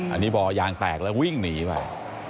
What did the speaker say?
อันนี้บ่อยางแตกแล้ววิ่งหนีไป